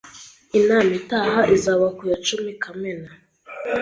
Inama itaha izaba ku ya cumi Kamena.